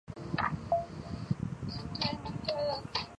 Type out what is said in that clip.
这对旧扇子现被收藏于宾夕法尼亚大学博物馆内。